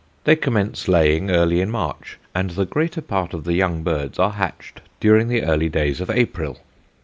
They commence laying early in March, and the greater part of the young birds are hatched during the early days of April.